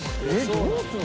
どうするの？